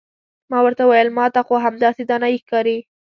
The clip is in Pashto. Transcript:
ما ورته وویل ما ته خو همدایې دانایي ښکاري.